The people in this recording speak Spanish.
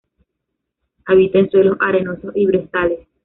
Habita en suelos arenosos y brezales.